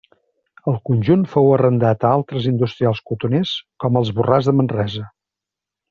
El conjunt fou arrendat a altres industrials cotoners, com els Borràs de Manresa.